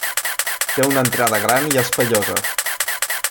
Té una entrada gran i espaiosa.